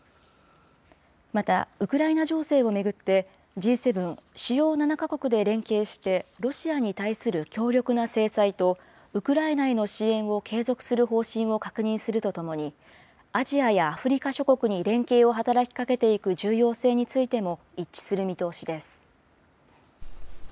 また、ウクライナ情勢を巡って、Ｇ７・主要７か国で連携してロシアに対する強力な制裁と、ウクライナへの支援を継続する方針を確認するとともに、アジアやアフリカ諸国に連携を働きかけていく重要性についても、一致する見通しです。